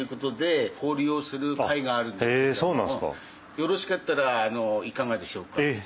よろしかったらいかがでしょうか？